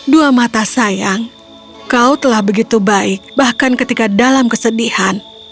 dua mata sayang kau telah begitu baik bahkan ketika dalam kesedihan